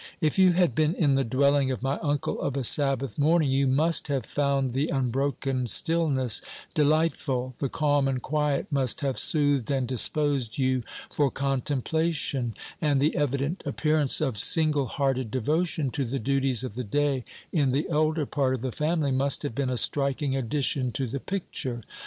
If you had been in the dwelling of my uncle of a Sabbath morning, you must have found the unbroken stillness delightful; the calm and quiet must have soothed and disposed you for contemplation, and the evident appearance of single hearted devotion to the duties of the day in the elder part of the family must have been a striking addition to the picture.